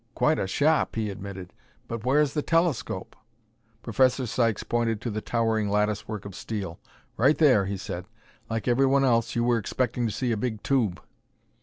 "Quite a shop," he admitted; "but where is the telescope?" Professor Sykes pointed to the towering latticework of steel. "Right there," he said. "Like everyone else, you were expecting to see a big tube."